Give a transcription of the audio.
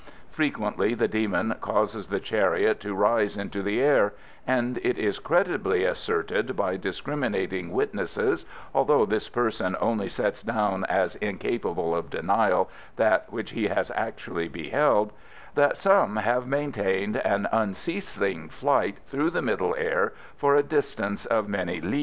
Frequently the demon causes the chariot to rise into the air, and it is credibly asserted by discriminating witnesses (although this person only sets down as incapable of denial that which he has actually beheld) that some have maintained an unceasing flight through the middle air for a distance of many li.